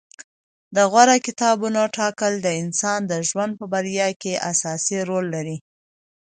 د غوره کتابونو ټاکل د انسان د ژوند په بریا کې اساسي رول لري.